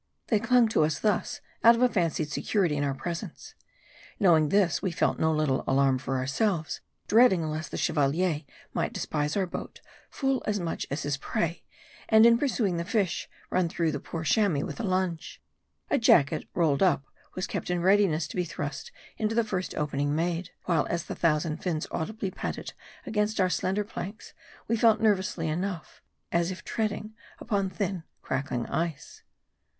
They clung to us thus, out of a fancied security in our presence. Knowing this, we felt no little alarm for ourselves, dreading lest the Chevalier might despise our boat, full as much as his prey ; and in pursuing the fish, run through the poor Cha mois with a lunge. A jacket, rolled up, was kept in readi ness to be thrust into the first opening made ; while as the thousand fins audibly patted against our slender planks, we felt nervously enough ; as if treading upon thin, crackling ice.